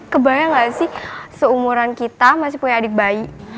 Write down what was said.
kebayang gak sih seumuran kita masih punya adik bayi